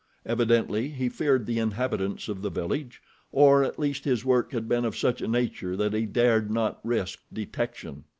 Evidently he feared the inhabitants of the village, or at least his work had been of such a nature that he dared not risk detection.